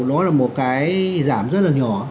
nó là một cái giảm rất là nhỏ